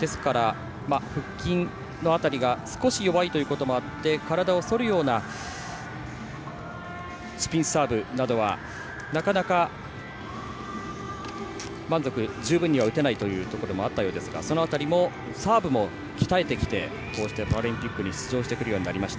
ですから、腹筋の辺りが少し弱いということもあって体をそるようなスピンサーブなどはなかなか、満足、十分には打てないということもあったようですがその辺りもサーブも鍛えてきてパラリンピックに出場してくるようになりました。